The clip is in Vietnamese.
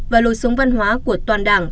và lôi sống văn hóa của toàn đảng